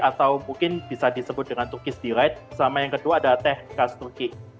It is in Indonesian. atau mungkin bisa disebut dengan turkis delight sama yang kedua adalah teh khas turki